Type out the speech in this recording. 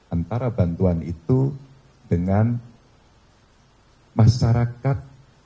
antara bantuan itu dengan masyarakat